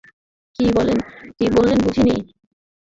কী বললেন বুঝিনি?